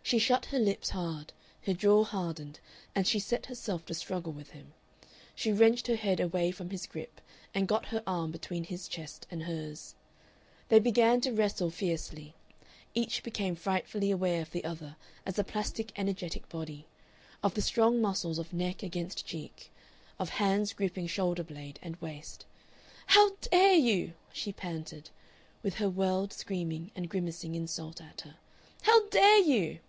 She shut her lips hard, her jaw hardened, and she set herself to struggle with him. She wrenched her head away from his grip and got her arm between his chest and hers. They began to wrestle fiercely. Each became frightfully aware of the other as a plastic energetic body, of the strong muscles of neck against cheek, of hands gripping shoulder blade and waist. "How dare you!" she panted, with her world screaming and grimacing insult at her. "How dare you!"